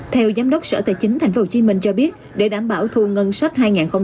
theo giám đốc sở tài chính thành phố hồ chí minh cho biết để đảm bảo thu ngân sách hai nghìn hai mươi hai